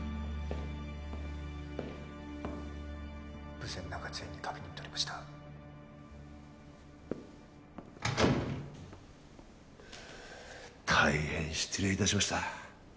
豊前中津園に確認とれました大変失礼いたしました